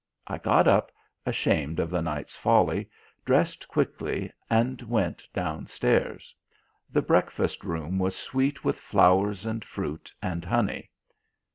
I got up, ashamed of the night's folly, dressed quickly, and went downstairs. The breakfast room was sweet with flowers and fruit and honey.